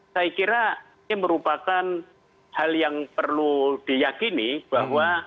saya kira ini merupakan hal yang perlu diyakini bahwa